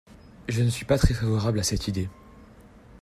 Je ne suis pas très favorable à cette idée.